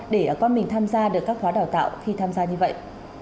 để con mình tham gia được các khóa đào tạo khi tham gia như vậy